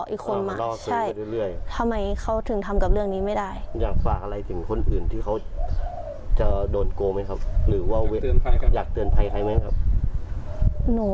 อันนี้มันเรื่องจริงนะ